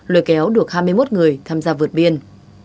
lôi kéo được hai mươi một người tham gia vượt biên